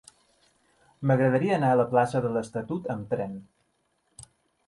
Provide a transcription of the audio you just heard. M'agradaria anar a la plaça de l'Estatut amb tren.